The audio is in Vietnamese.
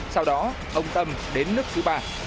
sau đó ông tâm đến nước thứ ba